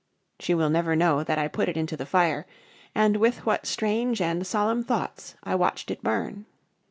She will never know that I put it into the fire, and with what strange and solemn thoughts I watched it burn.